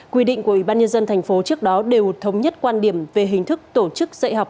quy định của ủy ban nhân dân thành phố trước đó đều thống nhất quan điểm về hình thức tổ chức dạy học